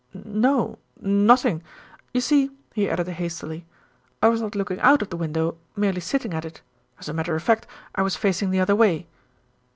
"No, nothing. You see," he added hastily, "I was not looking out of the window, merely sitting at it. As a matter of fact, I was facing the other way."